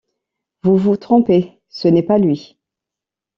Vous vous trompez, ce n’est pas lui!